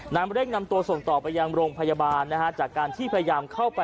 เร่งนำตัวส่งต่อไปยังโรงพยาบาลนะฮะจากการที่พยายามเข้าไป